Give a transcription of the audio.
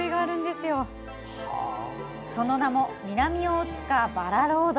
その名も、南大塚バラロード。